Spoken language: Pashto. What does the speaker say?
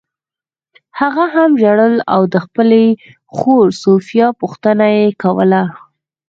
هغه هم ژړل او د خپلې خور سوفیا پوښتنه یې کوله